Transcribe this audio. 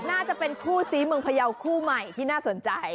น่าจะเป็นคู่ซีเมืองพยาวคู่ใหม่ที่น่าสนใจ